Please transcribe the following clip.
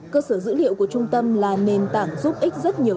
cơ sở dữ liệu của trung tâm là nền tảng giúp ích rất nhiều